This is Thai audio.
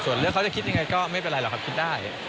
ส่วนเรื่องเขาจะคิดยังไงก็ไม่เป็นไรหรอกครับคิดได้